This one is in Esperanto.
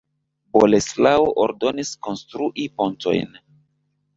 Boleslao ordonis konstrui pontojn.